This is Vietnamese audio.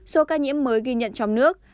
số ca nhiễm mới ghi nhận trong nước